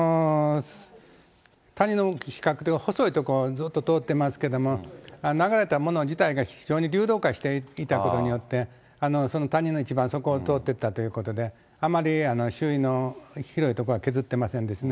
谷の比較的細い所をずっと通ってますけれども、流れたもの自体が非常に流動化していたことによって、谷の一番底を通っていったということで、余り周囲の広い所は削ってませんですね。